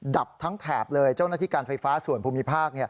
ดับทั้งแถบเลยเจ้าหน้าที่การไฟฟ้าส่วนภูมิภาค